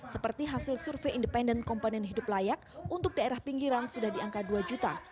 seperti hasil survei independen komponen hidup layak untuk daerah pinggiran sudah di angka dua juta